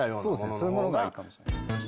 そういうものがいいかもしれない。